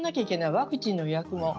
ワクチンの予約も。